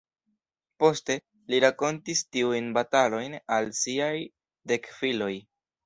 Poste, li rakontis tiujn batalojn al siaj dek filoj.